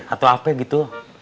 atau apa gitu